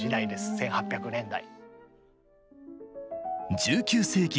１８００年代。